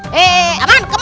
hehehe aman kemana